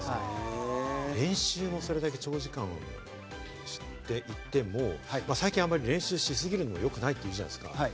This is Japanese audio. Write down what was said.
練習もそれだけ長時間していても、最近、あんまり練習しすぎるのも良くないというじゃないですか。